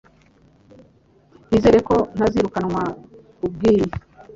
Nizere ko ntazirukanwa kubwibi